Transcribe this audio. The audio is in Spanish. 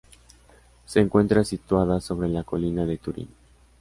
Se encuentra situada sobre la colina de Turín.